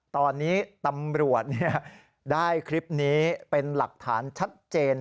ตอนนี้ตำรวจได้คลิปนี้เป็นหลักฐานชัดเจน